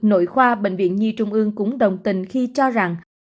nội khoa bệnh viện nhi trung ương cũng đồng tình khi cho rằng